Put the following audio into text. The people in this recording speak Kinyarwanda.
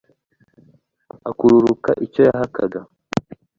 akururuka icyo yahakaga